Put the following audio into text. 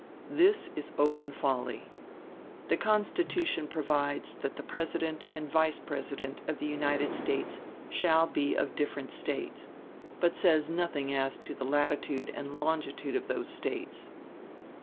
This is open folly. The Constitution provides that the President and Vice President of the United States shall be of different States; but says nothing as to the latitude and longitude of those States.